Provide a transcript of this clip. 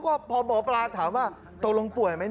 เพราะพ่อหมอปลาถามว่าต์โรงป่วยไหม